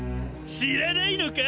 知らないのか？